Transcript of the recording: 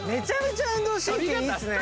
運動神経いいっすね。